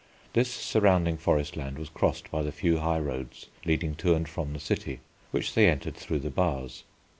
This surrounding forest land was crossed by the few high roads leading to and from the city, which they entered through the Bars.